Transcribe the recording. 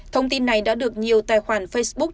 thông tin này đã được nhiều tài khoản facebook